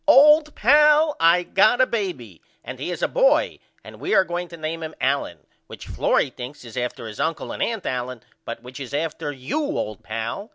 Old pal I got a baby and he is a boy and we are going to name him Allen which Florrie thinks is after his uncle and aunt Allen but which is after you old pal.